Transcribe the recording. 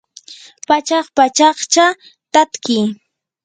pachak pachakcha tatki